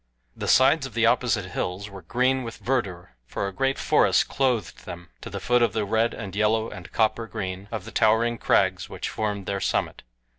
The sides of the opposite hills were green with verdure, for a great forest clothed them to the foot of the red and yellow and copper green of the towering crags which formed their summit.